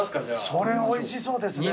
それおいしそうですね。